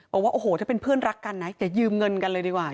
บอกว่าโอ้โหถ้าเป็นเพื่อนรักกันนะอย่ายืมเงินกันเลยดีกว่า